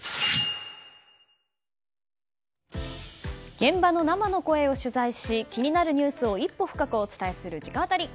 現場の生の声を取材し気になるニュースを一歩深くお伝えする直アタリ。